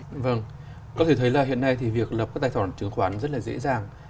vâng có thể thấy là hiện nay thì việc lập các tài khoản chứng khoán rất là dễ dàng